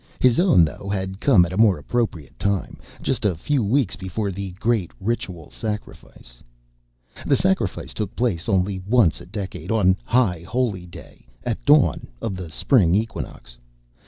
His own, though, had come at a more appropriate time, just a few weeks before the Great Ritual Sacrifice. The Sacrifice took place only once a decade, on High Holy Day at dawn of the spring equinox.